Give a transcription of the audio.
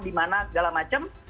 dimana segala macem